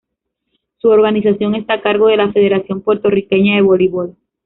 Su organización está a cargo de la Federación Puertorriqueña de Voleibol.